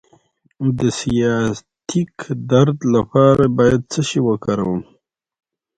د سیاتیک درد لپاره باید څه شی وکاروم؟